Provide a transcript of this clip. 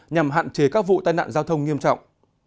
nhằm hạn chế các vụ tai nạn giao thông nghiêm trọng